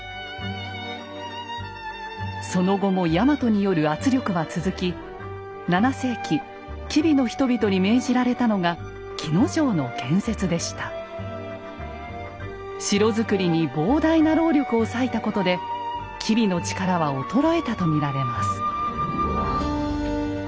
その後もヤマトによる圧力は続き７世紀吉備の人々に命じられたのが城造りに膨大な労力を割いたことで吉備の力は衰えたと見られます。